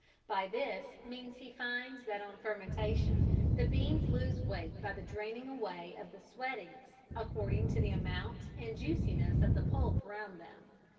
By this means he finds that on fermentation the beans lose weight by the draining away of the "sweatings," according to the amount and juiciness of the pulp round them.